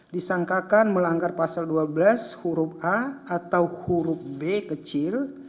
disangkakan melanggar pasal dua belas huruf a atau huruf b kecil